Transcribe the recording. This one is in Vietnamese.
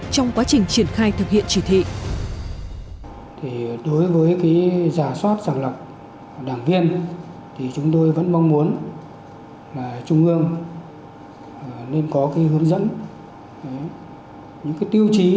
trong quá trình triển khai thực hiện chỉ thị